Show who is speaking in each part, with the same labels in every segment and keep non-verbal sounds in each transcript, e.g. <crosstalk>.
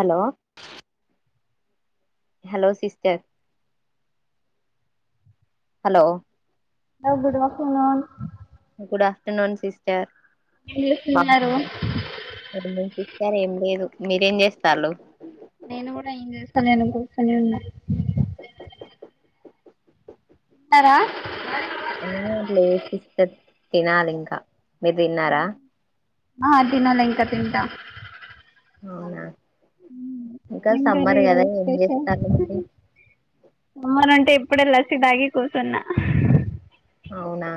Speaker 1: Hello hello sister hello
Speaker 2: ఆ good afternoon
Speaker 1: good afternoon sister
Speaker 2: ఏం చేస్తున్నారు
Speaker 1: సరి ఏం లేదు మీరేం చేస్తారు
Speaker 2: నేను కూడా ఏం చేస్తలేను ఉరికే ఉన్నా తిన్నారా
Speaker 1: ఆ లేసిస్త తినాలి ఇంకా మీరు తిన్నారా
Speaker 2: ఆ తినలే ఇంకా తింటా
Speaker 1: అవునా ఇంకా
Speaker 2: ఏంటండీ
Speaker 1: సమ్మర్ కదా
Speaker 2: ఈరోజు
Speaker 1: ఏం
Speaker 2: స్పెషల్
Speaker 1: చేస్తాళ్ళు మరి
Speaker 2: సమ్మర్ అంటే ఇప్పుడే లస్సీ తాగి కూసున్న
Speaker 1: అవునా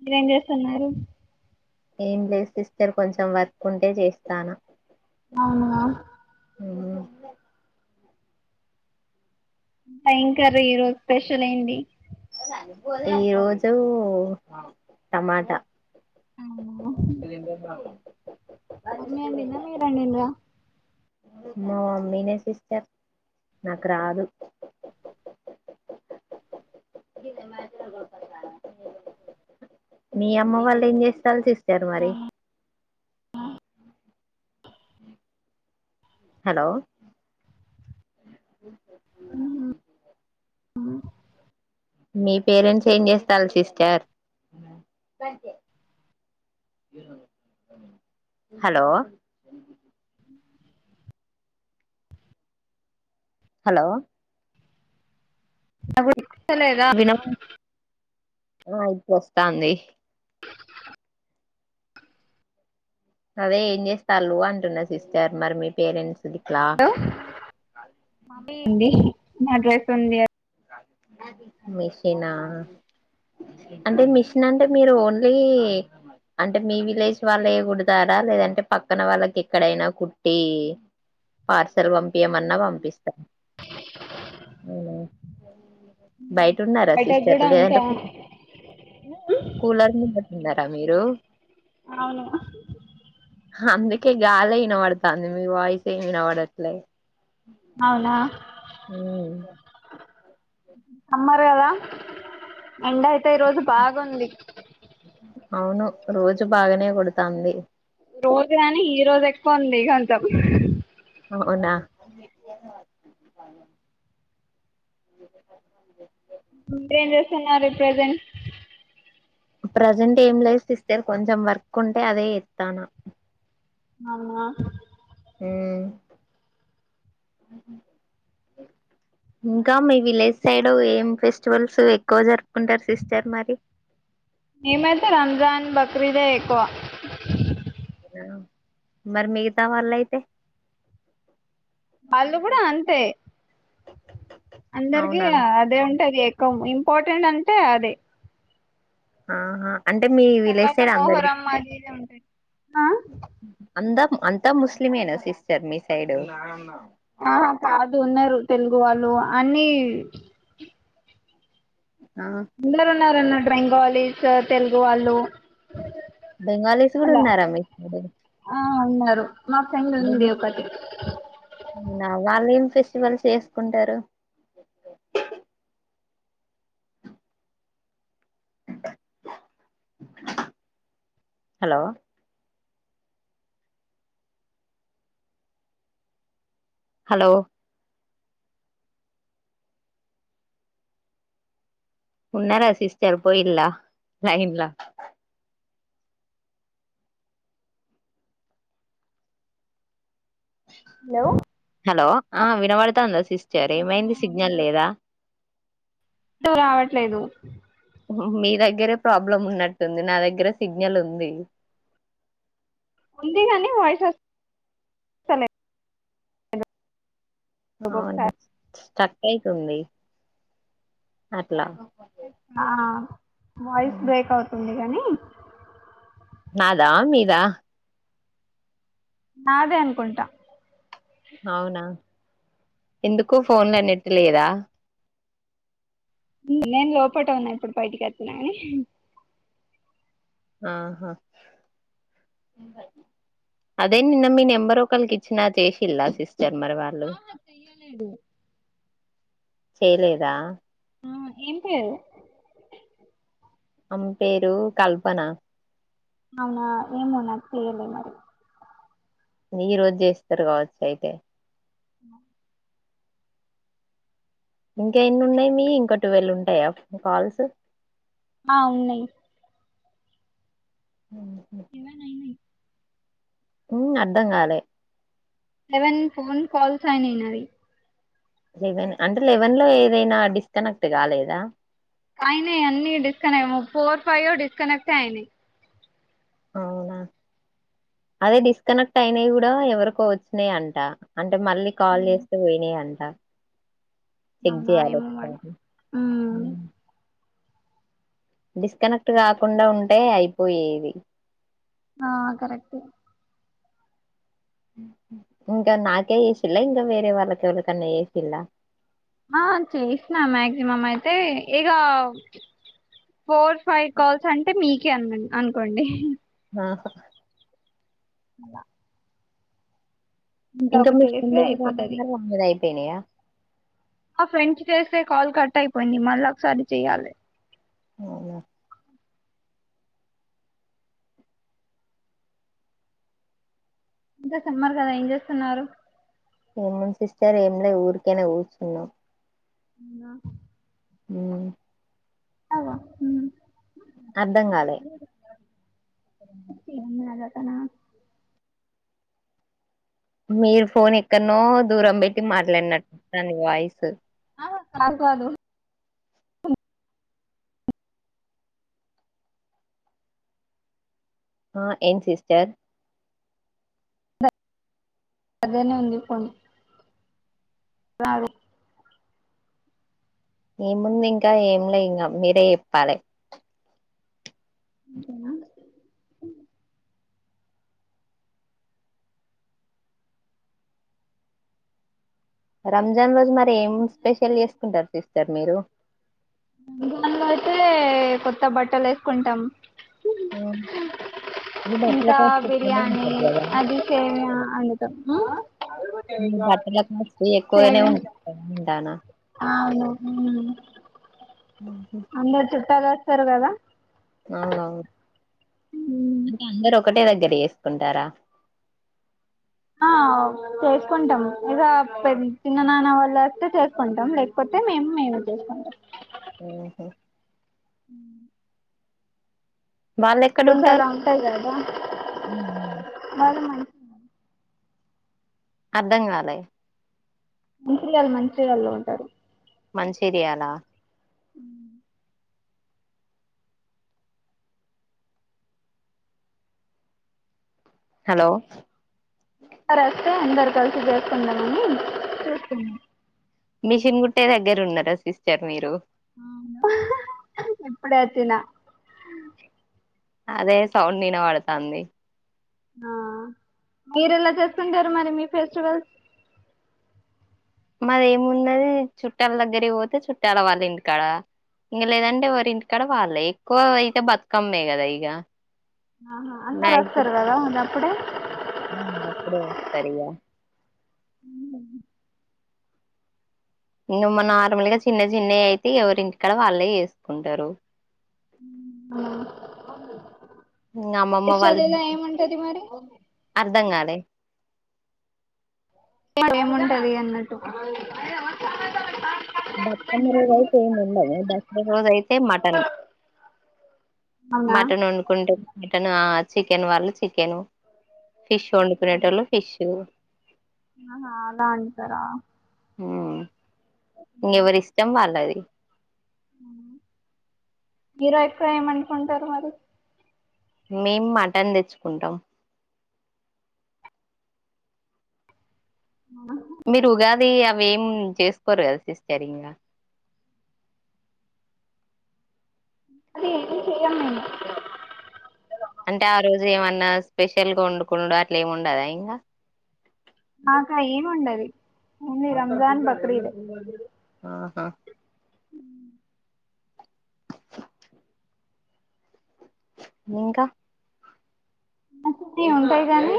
Speaker 2: మీరేం చేస్తున్నారు
Speaker 1: ఏం లేదు సిస్టర్ కొంచెం వర్క్ ఉంటే చేస్తాను
Speaker 2: అవునా
Speaker 1: ఉహూ
Speaker 2: <unintelligible> ఈరోజు స్పెషల్ ఏంటి
Speaker 1: ఈ రోజు టమాటా స
Speaker 2: రమ్య వండిందా మీరు వండిండ్రా
Speaker 1: మా మమ్మీనే సిస్టర్ నాకు రాదు మీ అమ్మ వాళ్ళు ఏం చేస్తారు సిస్టర్ సారు మరి హలో
Speaker 2: ఆ
Speaker 1: మీ పేరెంట్స్ ఏం చేస్తారు సిస్టర్ హలో హలో
Speaker 2: టమోటా
Speaker 1: వినమ ఆ ఇది వస్తాంది అదే ఏం చేస్తాళ్ళు అంటున్నా సిస్టర్ మరి మీ పేరెంట్స్ గిట్లా
Speaker 2: హలో మామింది నా డ్రెస్ ఉంది
Speaker 1: మిషనా, అంటే మిషన్ అంటే మీరు ఓన్లీ అంటే మీ విలేజ్ వాళ్ళ కుడతారా లేదంటే పక్కన వాళ్ళకి ఎక్కడైనా కుట్టి, పార్సల్ పంపియమన్నా పంపిస్తార బయట ఉన్నారా
Speaker 2: బయటకి
Speaker 1: సిస్టర్
Speaker 2: కూడా అంతే
Speaker 1: లేదంటే కూలర్ ముందర ఉన్నారా మీరు
Speaker 2: అవును
Speaker 1: అందుకే గలే వినబడుతాంది మీ వాయిస్ ఏ వినబడట్లే
Speaker 2: అవునా
Speaker 1: మ్
Speaker 2: అమ్మారు కదా ఎండ అయితే ఈ రోజు బాగుంది
Speaker 1: అవును రోజు బాగానే కొడతాంది
Speaker 2: రోజు కాని ఈ రోజు ఎక్కువ ఉంది కొంచం
Speaker 1: అవునా
Speaker 2: <unintelligible> చేస్తున్నారు ప్రెజెంట్
Speaker 1: ప్రజెంట్ ఏం లైఫ్ సిస్టర్ కొంచెం వర్క్ ఉంటే అదే చేస్తానా
Speaker 2: అవునా
Speaker 1: మ్ ఇంకా మీ విలేజ్ సైడ్ ఏం ఫెస్టివల్స్ ఎక్కువ జరుపుకుంటారు సిస్టర్ మరి
Speaker 2: మేమైతే రంజాన్ బక్రీదే ఎక్కువ
Speaker 1: మరి మిగతా వాళ్ళ అయితే
Speaker 2: వాళ్ళు కూడా అంతే అందరికి
Speaker 1: అవునా
Speaker 2: అదే ఉంటది ఇంపార్టెంట్ అంటే అదే
Speaker 1: ఆహా అంటే మీ
Speaker 2: ఆ
Speaker 1: విలేజ్ సైడ్ అందరు అంతా అంతా ముస్లిమేనా సిస్టర్ మీ సైడు
Speaker 2: ఆ కాదు ఉన్నరు తెలుగు వాళ్ళు అన్ని
Speaker 1: ఆ
Speaker 2: అందరు ఉన్నారు అన్న డ్రీంగాలీస్ తెలుగు వాళ్ళు
Speaker 1: బెంగాలీస్ కూడా
Speaker 2: అలా
Speaker 1: ఉన్నారు రమేష్ గ
Speaker 2: ఆ ఉన్నారు మా ఫ్రెండ్ ఉంది ఒకటి
Speaker 1: అ వాల్ల్ ఎం మంచి మంచి చేసుకుంటారు హలో హలో ఉన్నార సిస్టర్ పోయిలా లైన్ లో
Speaker 2: హలో
Speaker 1: హలో ఆ వినబడుతాందా సిస్టర్ ఏమైంది సిగ్నల్ లేదా
Speaker 2: అంట రావట్లేదు
Speaker 1: మీ దగ్గరే ప్రాబ్లం ఉన్నట్టుంది నా దగ్గర సిగ్నల్ ఉంది
Speaker 2: ఉందిగాని వాయిస్ వస్ లే
Speaker 1: అవును అయితుంది అట్లా
Speaker 2: అ ఎట్ వాయిస్ బ్రేక్ అవుతుంది కానీ
Speaker 1: నాదా మీదా
Speaker 2: నాదే అనుకుంటా
Speaker 1: అవునా ఎందుకు ఫోన్ల నెట్ లేదా
Speaker 2: నేను లోపట ఉన్నా ఇప్పుడు బయటికి వచ్చిన
Speaker 1: ఆహా అదే నిన్న మీ నెంబర్ ఒకలికి ఇచ్చిన చేసిలా సిస్ జర్మర వాళ్ళు చేయలేదా
Speaker 2: ఆ ఇంతే
Speaker 1: ఆమే పేరు కల్పన
Speaker 2: అవునా ఏం నా తీయలే మరి
Speaker 1: ఈ రోజు చేస్తారు కావచ్చు అయితే
Speaker 2: ఉ
Speaker 1: ఇంకా ఎన్ని ఉన్నాయి మీ ఇంకా టువెల్ ఉంటాయా కాల్స్
Speaker 2: ఆ ఉన్నాయ్ సెవెన్ అయినాయి
Speaker 1: మ్మ్ అర్ధం కాలే
Speaker 2: సెవెన్ ఫోన్ కాల్స్ అయినయ్ నావి
Speaker 1: లెవెన్ అంటే లెవెన్ లో ఏదైనా డిస్ కనెక్ట్ కాలేదా
Speaker 2: అయినాయి అన్నీ డిస్కనేమో ఫోర్ ఫైవ్ డిస్కనెక్ట్ అయినాయ్
Speaker 1: అవునా అదే డిస్కనెక్ట్ అయినావి కూడా ఎవరికో వచ్చినాయి అంట అంటే మళ్ళీ కాల్ చేస్తే పోయినాయి అని ఆ చించి
Speaker 2: అవునా ఏమో మరి
Speaker 1: ఆరేత్తారు
Speaker 2: ఉమ్
Speaker 1: మ్మ్ డిస్కనెక్ట్ కాకుండా ఉంటే అయిపోయేది
Speaker 2: ఆ కరెక్టే
Speaker 1: ఇంకా నాకే చేసిల్లా ఇంకా వేరే వాళ్ళకి ఎవరికన్నా చేసిల్లా
Speaker 2: ఆ చేసినా మాగ్జిమం అయితే ఇగ ఫోర్ ఫైవ్ కాల్స్ అంటే మీకే అం అనుకోండి.
Speaker 1: ఆహా
Speaker 2: అలా
Speaker 1: ఇంకా
Speaker 2: ఒకటి
Speaker 1: మీ
Speaker 2: చేస్తే
Speaker 1: ఫ్రెండ్
Speaker 2: అయిపోతది
Speaker 1: <unintelligible> పేనయా
Speaker 2: ఆ ఫ్రెండ్స్ చేస్తే కాల్ కట్ అయిపోయింది మళ్ళీ ఒకసారి చెయ్యాలి
Speaker 1: అవునా
Speaker 2: ఇంకా సమ్మరు కదా ఏం చేస్తున్నారు
Speaker 1: ఏముంది సిస్టర్ ఏంలే ఊరికనే కూర్చున్నాం
Speaker 2: <unintelligible>
Speaker 1: హ్మ్మ్
Speaker 2: అవ్వ హ్మ్
Speaker 1: అర్ధం కాలే
Speaker 2: సింగ్నాజతనా
Speaker 1: మీరు ఫోన్ ఎక్కన్నో దూరం పెట్టి మాట్లాడినట్టు దాని వాయిస్
Speaker 2: అ కాదు కాదు
Speaker 1: ఆ ఏన్ సిస్టర్
Speaker 2: అదేనే ఉంది పన్ రాద
Speaker 1: ఏం ముందు ఇంకా ఏం లే ఇంకా మీరే చెప్పాలి
Speaker 2: హ్మ్మ్
Speaker 1: రంజాన్ రోజు మరి ఏం స్పెషల్ చేసుకుంటారు <unintelligible> <unintelligible> మీరు
Speaker 2: దానిలో అయితే కొత్త బట్టలు వేసుకుంటాం
Speaker 1: ఉమ్, మీ బట్టల
Speaker 2: ఇంకా
Speaker 1: కాస్ట్ ఎక్కువనే
Speaker 2: బిర్యానీ
Speaker 1: ఉంటది కదా
Speaker 2: అది సేమియా <unintelligible>
Speaker 1: బట్టల కాస్ట్ ఎక్కువగానే
Speaker 2: సేమియా
Speaker 1: ఉంట <unintelligible>
Speaker 2: అవును ఉమ్
Speaker 1: <inaudible>
Speaker 2: <unintelligible> కదా
Speaker 1: అవునవును అంటే అందరు ఒకటే దగ్గర వేసుకుంటారా
Speaker 2: ఆ చేసుకుంటాం ఇక <unintelligible> చిన్న నాన్న వాళ్ళు వస్తే చేసుకుంటాం లేకపోతే మేము మేము చేసుకుంటాం
Speaker 1: ఉహు
Speaker 2: హ్మ్మ్
Speaker 1: వాళ్ళు ఎక్కడ ఉంటారు
Speaker 2: బుల్సలా ఉంటాయి కదా మరి మంచి
Speaker 1: అర్ధంగాలే
Speaker 2: మంత్రిగాళ్ళు మంత్రిగాళ్ల్లో ఉంటారు
Speaker 1: మంచి ఏరియా లా
Speaker 2: హ్మ్మ్
Speaker 1: హలో
Speaker 2: <unintelligible> వస్తే అందరు కలిసి చేస్తుందమని చూస్తున్నాం
Speaker 1: మిషన్ గుట్టే దగ్గర ఉన్నారా సిస్టర్ మీరు
Speaker 2: ఇప్పుడే <unintelligible>
Speaker 1: అదే సౌండ్ వినపడుతుంది
Speaker 2: ఆ మీరు ఎలా చేస్తుంటారు మరి మీ ఫెస్టివల్స్
Speaker 1: మాది ఏమున్నది చుట్టాల దగ్గర పోతే చుట్టాల వాళ్ళ ఇంటికాడ ఇంక లేదంటే ఎవరి ఇంటికాడ వాళ్ళ ఎక్కువ అయితే బతుకమ్మే కదా ఇక
Speaker 2: ఆహా అందరు వస్తారు కదా ఇప్పుడు
Speaker 1: అప్పుడు <unintelligible> నార్మల్ గా చిన్న చిన్నవి అయితే ఎవరి ఇంటి కాడ వాళ్ళే చేసుకుంటారు
Speaker 2: ఆ
Speaker 1: అమ్మమ్మ వాళ్ళ
Speaker 2: ఇలా ఏముంటది మరి
Speaker 1: అర్ధం కాలే
Speaker 2: <unintelligible> ఏముంటది అన్నట్టు
Speaker 1: బతుకమ్మ రోజు అయితే ఏం ఉండదు దసరా రోజు అయితే మటన్
Speaker 2: అవునా
Speaker 1: మటన్ వండుకుంటాం మటన్ ఆ చికెన్ వాళ్ళు చికెను ఫిష్ వండుకునేటోలు ఫిష్
Speaker 2: ఆహా అలా అంటారా
Speaker 1: హ్మ్ ఇంగ ఎవరి ఇష్టం వాళ్ళది
Speaker 2: మీరు ఎక్కువ ఏమనుకుంటారు మరి
Speaker 1: మేం మటన్ తెచ్చుకుంటాం
Speaker 2: ఆ
Speaker 1: మీరు ఉగాది అవి ఏం చేసుకోరు సిస్టర్ ఇంగా
Speaker 2: అదే ఏం చేయము మేము
Speaker 1: అంటే ఆ రోజు ఏమన్నా స్పెషల్గా వండుకుండు అట్లా ఏమి ఉండదా ఇంగా
Speaker 2: నాకా ఏమి ఉండదు ఓన్లీ రంజాన్ బక్రీద్
Speaker 1: ఆహా
Speaker 2: హ్మ్
Speaker 1: ఇంకా
Speaker 2: మాకు <unintelligible> ఉంటాయి గానీ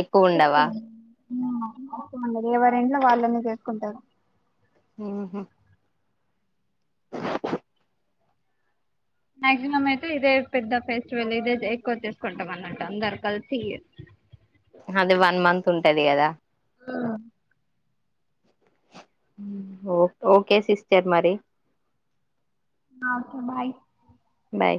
Speaker 1: ఎక్కువ ఉండవా
Speaker 2: హ్మ్ ఎవరింట్లో వాళ్ళనే చేసుకుంటారు
Speaker 1: హ్మ్ హు
Speaker 2: మక్సిమం అయితే ఇదే పెద్ద ఫెస్టివల్ ఇదే ఎక్కువ చేసుకుంటాం అన్నట్ అందరు కలిసి
Speaker 1: అదే వన్ మంత్ ఉంటది కదా
Speaker 2: అ
Speaker 1: హ్మ్ ఓకే సిస్టర్ మరి
Speaker 2: ఓకే బాయ్
Speaker 1: బాయ్